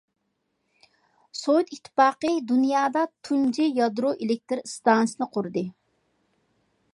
سوۋېت ئىتتىپاقى دۇنيادا تۇنجى يادرو ئېلېكتىر ئىستانسىسىنى قۇردى.